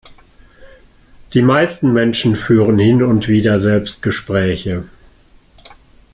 Die meisten Menschen führen hin und wieder Selbstgespräche.